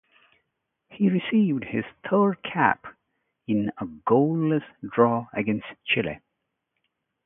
He received his third cap in a goalless draw against Chile.